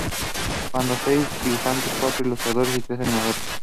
Contó con seis dibujantes, cuatro ilustradores, y tres animadores.